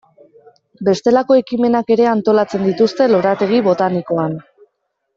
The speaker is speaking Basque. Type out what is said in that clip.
Bestelako ekimenak ere antolatzen dituzte lorategi botanikoan.